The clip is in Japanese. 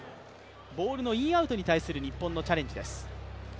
ボールのインアウトに対する日本のチャレンジです。